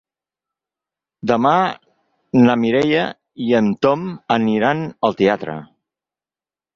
Demà na Mireia i en Tom aniran al teatre.